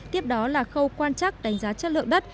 tiếp đó là khâu quan trắc đánh giá chất lượng đất